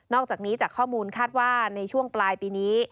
อกจากนี้จากข้อมูลคาดว่าในช่วงปลายปีนี้